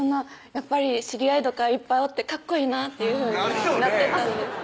やっぱり知り合いとかいっぱいおってカッコいいなっていうふうになるよねぇ